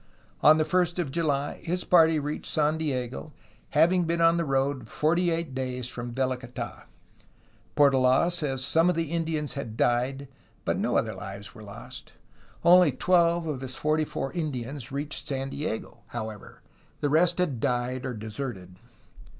On the 1st of July his party reached San Diego, having been on the road forty eight days from Velicata. Portola says some of the Indians had died, but no other lives were lost. Only twelve of his forty four Indians reached San Diego, however. The rest had died or deserted.